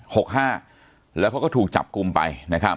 ๖๕ปีแล้วเขาก็ถูกจับกลุ่มไป